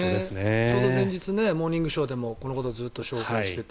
ちょうど前日「モーニングショー」でもこのことをずっと紹介していて